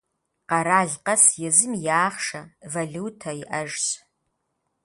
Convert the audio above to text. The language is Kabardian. Къэрал къэс езым и ахъшэ – валютэ иӏэжщ.